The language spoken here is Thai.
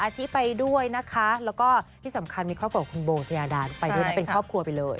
ชิไปด้วยนะคะแล้วก็ที่สำคัญมีครอบครัวคุณโบสยาดานไปด้วยนะเป็นครอบครัวไปเลย